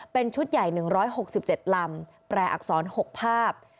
เป็นชุดใหญ่๑๖๗ลำแปลอักษร๖ภาพ